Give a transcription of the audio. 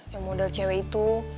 yang model cewek itu